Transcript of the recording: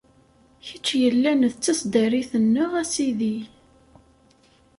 Kečč yellan d taseddarit-nneɣ, a Sidi!